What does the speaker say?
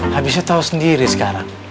habisnya tau sendiri sekarang